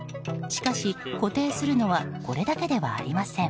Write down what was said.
しかし固定するのはこれだけではありません。